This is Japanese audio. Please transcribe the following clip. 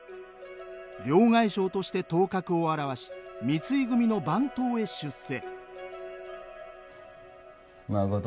両替商として頭角を現し三井組の番頭へ出世。